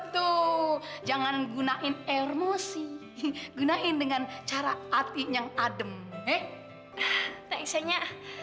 soalnya gara gara kejadian ini